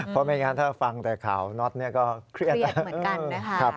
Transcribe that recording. เพราะไม่งั้นถ้าฟังแต่ข่าวน็อตเนี่ยก็เครียดเหมือนกันนะคะ